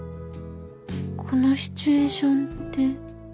このシチュエーションって